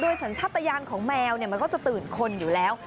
สัญชาติยานของแมวมันก็จะตื่นคนอยู่แล้ว